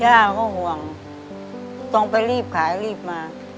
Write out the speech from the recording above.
ย่าก็ห่วงต้องไปรีบขายรีบมา